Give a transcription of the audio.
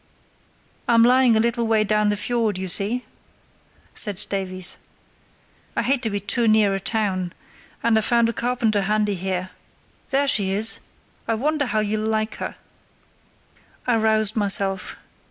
"I'm lying a little way down the fiord, you see," said Davies. "I hate to be too near a town, and I found a carpenter handy here— There she is! I wonder how you'll like her!" I roused myself.